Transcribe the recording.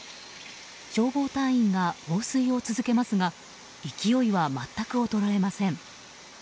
消防隊員が放水を続けますが勢いは全く衰えません。